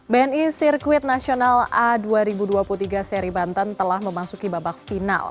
bni sirkuit nasional a dua ribu dua puluh tiga seri banten telah memasuki babak final